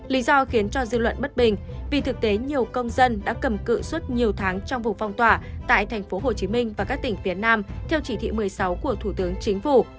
lý do khiến cho dư luận bất bình vì thực tế nhiều công dân đã cầm cự suốt nhiều tháng trong vụ phong tỏa tại tp hcm và các tỉnh phía nam theo chỉ thị một mươi sáu của thủ tướng chính phủ